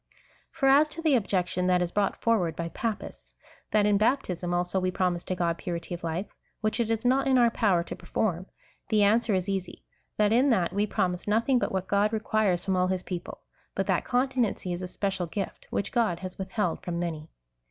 For as to the objection that is brought forward by Papists — that in baptism, also, we promise to God purity of life, which it is not in our jjower to perform, the answer is easy — that in that we promise nothing but what God requires from all his peoi)le, but that continency is a special gift, which God has withheld from many.